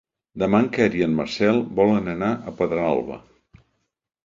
Demà en Quer i en Marcel volen anar a Pedralba.